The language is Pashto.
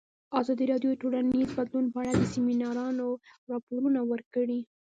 ازادي راډیو د ټولنیز بدلون په اړه د سیمینارونو راپورونه ورکړي.